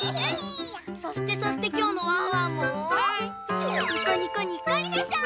そしてそしてきょうのワンワンもにこにこにっこりでしょう！